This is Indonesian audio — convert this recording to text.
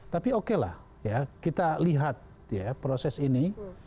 tapi okelah kita lihat proses ini